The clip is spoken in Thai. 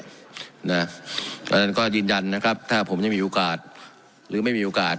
เพราะฉะนั้นก็ยืนยันนะครับถ้าผมยังมีโอกาสหรือไม่มีโอกาส